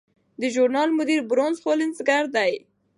د ژورنال مدیر بروس هولسینګر دی.